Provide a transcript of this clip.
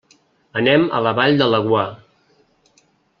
Anem a la Vall de Laguar.